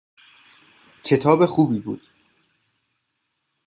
کتاب خوبی بود